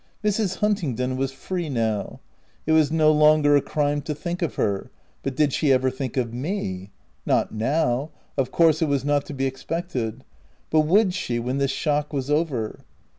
Mrs. Huntingdon was free now ; it was no longer a crime to think of her — but did she ever think of me ?— not now — of course it was not to be expected — but would she, when this shock was over